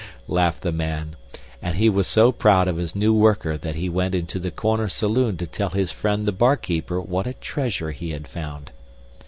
laughed the man, and he was so proud of his new worker that he went into the corner saloon to tell his friend the barkeeper what a treasure he had found.